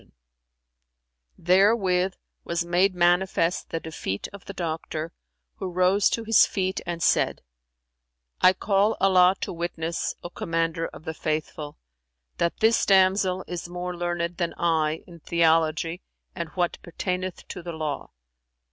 "[FN#344] Therewith was made manifest the defeat of the doctor, who rose to his feet and said, "I call Allah to witness, O Commander of the Faithful, that this damsel is more learned than I in theology and what pertaineth to the Law."